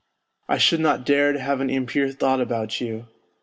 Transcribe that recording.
I should not dan to have an impure thought about you.